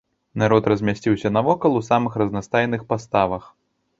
Народ размясціўся навокал у самых разнастайных паставах.